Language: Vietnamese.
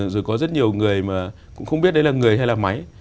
rồi có rất nhiều người mà cũng không biết đấy là người hay là máy